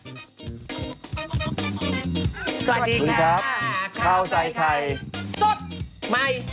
สวัสดีครับ